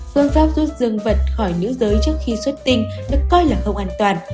phương pháp rút dương vật khỏi nữ giới trước khi xuất tinh được coi là không an toàn